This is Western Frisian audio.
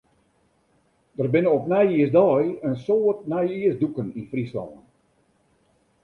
Der binne op nijjiersdei in soad nijjiersdûken yn Fryslân.